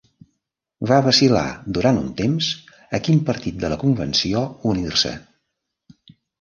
Va vacil·lar durant un temps a quin partit de la Convenció unir-se.